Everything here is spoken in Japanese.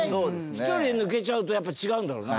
１人抜けちゃうとやっぱ違うんだろうな。